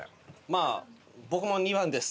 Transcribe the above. まあ僕も２番です。